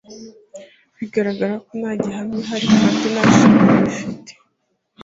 bigaragara ko nta gihamya ihari kandi nta shingiro gifite